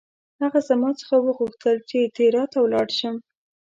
هغه زما څخه وغوښتل چې تیراه ته ولاړ شم.